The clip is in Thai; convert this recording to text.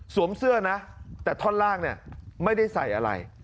สวมเสื้อนะแต่ท่อนล่างไม่ได้ใส่อะไร